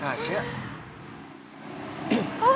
gue beside mengunjung